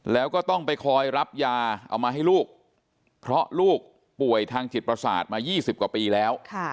แล้วก็ต้องไปคอยรับยาเอามาให้ลูกเพราะลูกป่วยทางจิตประสาทมา๒๐กว่าปีแล้ว